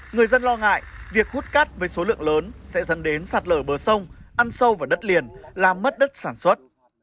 người dân lo ngại việc hút cát với số lượng lớn sẽ dẫn đến sạt lở bờ sông ăn sâu vào đất liền làm mất đất sản xuất